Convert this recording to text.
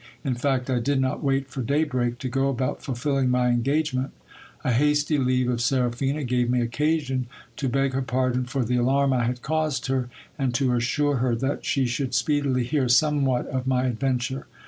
In fact, I did not wait for daybreak, to go about fulfilling my engage ment. A hasty leave of Seraphina gave me occasion to beg her pardon for the alarm I had caused her, and to assure her that she should speedily hear some what of my adventure.